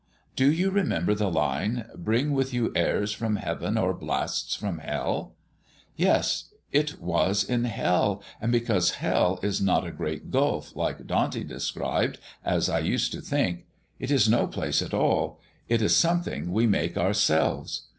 Do you remember the line, 'Bring with you airs from heaven or blasts from hell'? Yes, it was in hell, because hell is not a great gulf, like Dante described, as I used to think; it is no place at all it is something we make ourselves.